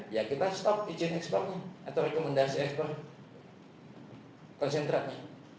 ya kita stop izin ekspornya atau rekomendasi ekspor konsentratnya